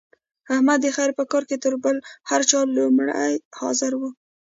احمد د خیر په کار کې تر بل هر چا لومړی حاضر وي.